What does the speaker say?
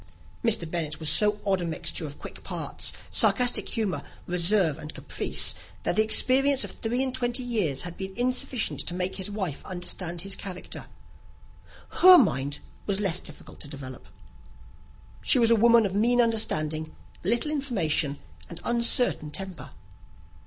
Mr. Bennet was so odd a mixture of quick parts, sarcastic humour, reserve, and caprice, that the experience of three and twenty years had been insufficient to make his wife understand his character. Her mind was less difficult to develope. She was a woman of mean understanding, little information, and uncertain temper.